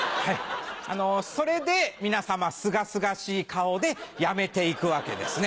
それで皆様すがすがしい顔でやめていくわけですね。